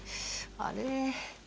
あれ。